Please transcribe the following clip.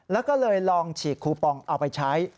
แล้วก็เลยลองฉีกคูปองเอาไปใช้